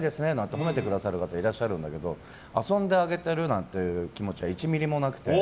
褒めてくださる方いらっしゃるんだけど遊んであげてるなんて気持ちは１ｍｍもなくて。